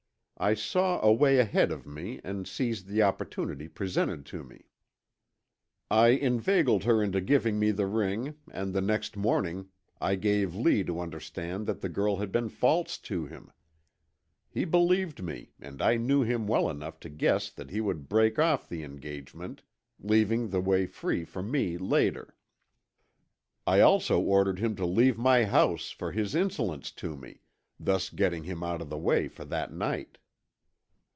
I saw a way ahead of me and seized the opportunity presented to me. "I inveigled her into giving me the ring and the next morning I gave Lee to understand that the girl had been false to him. He believed me and I knew him well enough to guess that he would break off the engagement, leaving the way free for me later. I also ordered him to leave my house for his insolence to me, thus getting him out of the way for that night.